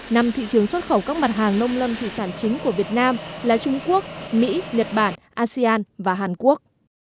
năm thị trường xuất khẩu các mặt hàng nông lâm thủy sản chính của việt nam là trung quốc mỹ nhật bản asean và hàn quốc